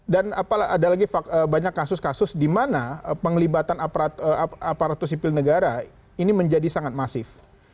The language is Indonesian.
dan ada lagi banyak kasus kasus di mana penglibatan aparatu sipil negara ini menjadi sangat masif